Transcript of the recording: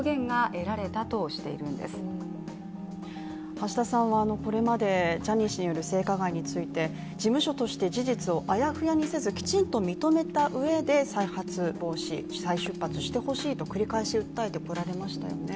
橋田さんはこれまでジャニー氏による性加害について事務所として事実をあやふやにせずきちんと認めたうえで再発防止、再出発してほしいと繰り返し訴えてこられましたよね